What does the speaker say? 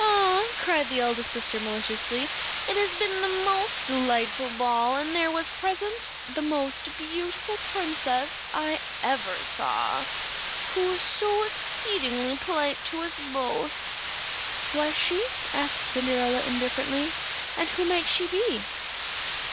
"Ah," cried the eldest sister maliciously, "it has been the most delightful ball, and there was present the most beautiful princess I ever saw, who was so exceedingly polite to us both." "Was she?" said Cinderella indifferently; "and who might she be?"